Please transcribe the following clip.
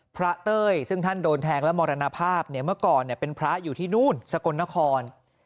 เต้ยซึ่งท่านโดนแทงและมรณภาพเนี่ยเมื่อก่อนเป็นพระอยู่ที่นู่นสกลนคร